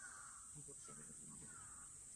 এ পৌরসভার প্রশাসনিক কার্যক্রম নলছিটি থানার আওতাধীন।